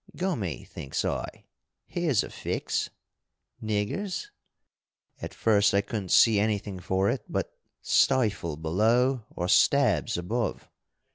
"'Gummy,' thinks I, 'here's a fix!' Niggers? At first I couldn't see anything for it but Stifle below or Stabs above.